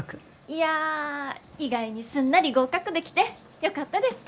いや意外にすんなり合格できてよかったです。